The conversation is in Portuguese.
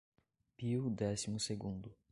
Pio Décimo-Segundo